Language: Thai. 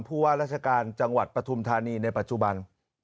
ผู้ว่าราชการจังหวัดปฐุมธานีในปัจจุบัน